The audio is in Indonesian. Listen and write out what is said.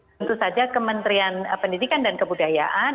tentu saja kementerian pendidikan dan kebudayaan